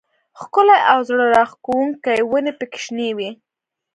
ښکلې او زړه راښکونکې ونې پکې شنې وې.